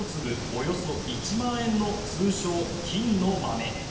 およそ１万円の通称・金の豆。